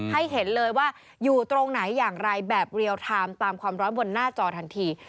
ให้เห็นเลยว่าอยู่ตรงไหนอย่างไรแบบเรียลไทม์ตามความร้อนบนหน้าจอทันที